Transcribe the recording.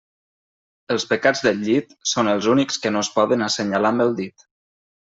Els pecats del llit són els únics que no es poden assenyalar amb el dit.